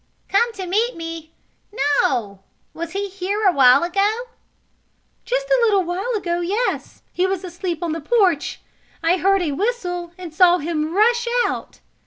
"Come to meet me? No. Was he here a while ago?" "Just a little while ago, yes. He was asleep on the porch. I heard a whistle, and saw him rush out."